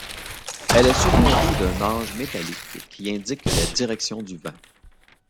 Elle est surmontée d'un ange métallique qui indique la direction du vent.